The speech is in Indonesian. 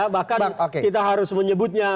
bahkan kita harus menyebutnya